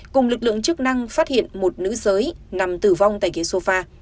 cùng lực lượng chức năng phát hiện một nữ giới nằm tử vong tại ghế sofa